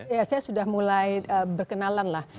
ya saya sudah mulai berkenalan lah